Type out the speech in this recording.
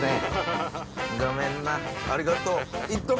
ごめんなありがとう。いっとく？